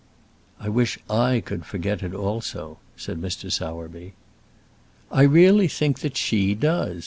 "I wish I could forget it also," said Mr. Sowerby. "I really think that she does.